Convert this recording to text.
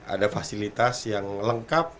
ada fasilitas yang lengkap